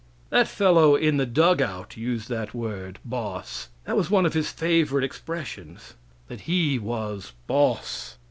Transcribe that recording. That fellow in the dug out used that word "boss;" that was one of his favorite expressions that he was "boss".